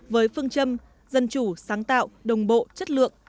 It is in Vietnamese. với phương châm dân chủ sáng tạo đồng bộ chất lượng